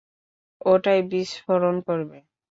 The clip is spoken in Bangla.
ওটায় বিস্ফোরণ করবে?